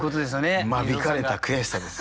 間引かれた悔しさです。